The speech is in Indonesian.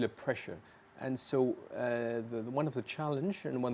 tapi apa perasaan anda